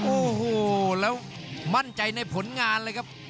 โอ้โหแล้วมั่นใจในผลงานเลยครับ